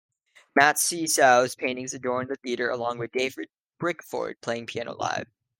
Matt Sesow's paintings adorned the theater along with David Bickford playing piano live.